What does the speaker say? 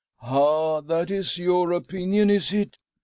" Ha ! that's your opinion, is it